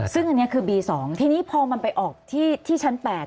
ซึ่งอันเนี้ยคือบีสองทีนี้พอมันไปออกที่ที่ชั้นแปด